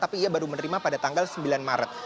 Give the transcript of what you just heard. tapi ia baru menerima pada tanggal sembilan maret